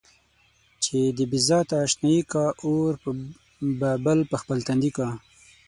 چې د بې ذاته اشنايي کا اور به بل پر خپل تندي کا.